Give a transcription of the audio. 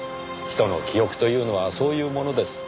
人の記憶というのはそういうものです。